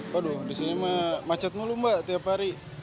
waduh disini macet mulu mbak tiap hari